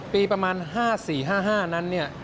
ปีประมาณ๕๔๕๕นั้น